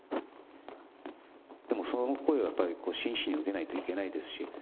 でもその声はやっぱり真摯に受けないといけないですし。